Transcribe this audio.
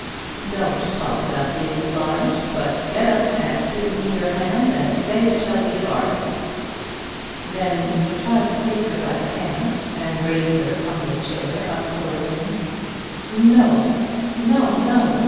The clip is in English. "Don't talk about being obliged, but get up and give me your hand, and say it shall be a bargain." Then he tried to take her by the hand and raise her from the chair up towards him. "No, no, no!"